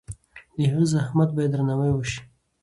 د هغه زحمت باید درناوی شي.